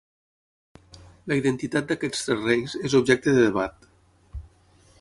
La identitat d'aquests tres reis és objecte de debat.